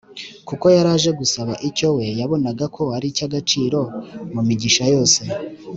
kuko yari aje gusaba icyo we yabonaga ko ari icy’agaciro mu migisha yose